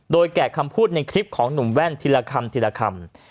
โดยแกะคำพูดในคลิปของหนุ่มแว่นทีละคำทีละคำ